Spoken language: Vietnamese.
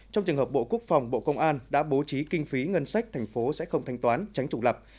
trong trường hợp bộ quốc phòng bộ công an đã bố trí kinh phí ngân sách tp sẽ không thanh toán tránh trụng lập